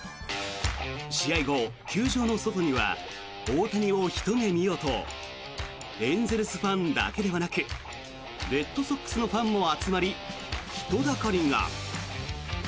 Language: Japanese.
試合後、球場の外には大谷をひと目見ようとエンゼルスファンだけではなくレッドソックスのファンも集まり人だかりが。